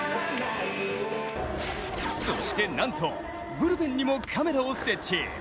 そしてなんと、ブルペンにもカメラを設置。